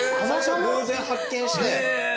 偶然発見して。